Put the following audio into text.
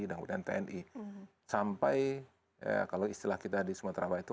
kemudian tni sampai kalau istilah kita di sumatera barat itu